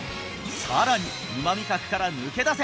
さらに沼味覚から抜け出せ！